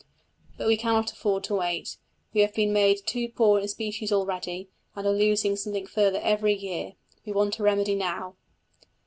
But we cannot afford to wait: we have been made too poor in species already, and are losing something further every year; we want a remedy now.